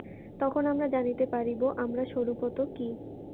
তখন আমরা জানিতে পারিব, আমরা স্বরূপত কি।